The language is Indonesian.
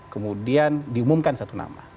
kemudian diumumkan satu nama